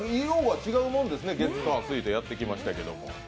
色が違うもんですね、月火水とやってきましたけど。